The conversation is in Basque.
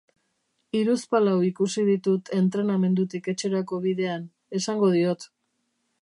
Hiruzpalau ikusi ditut entrenamendutik etxerako bidean, esango diot.